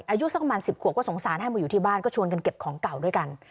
อายุสักประมาณ๑๐ขวบก็สงสารให้มาอยู่ที่บ้านก็ชวนกันเก็บของเก่าด้วยกัน